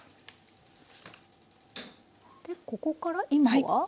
でここから今は？